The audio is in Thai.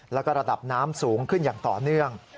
แล้วก็ระดับน้ำสูงขึ้นอย่างต่อเนื่อง